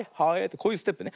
こういうステップね。